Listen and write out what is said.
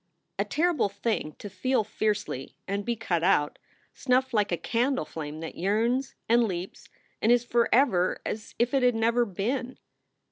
A terrible thing to feel fiercely and be cut out, snuffed like a candle flame that yearns and leaps and is forever as if it had never been.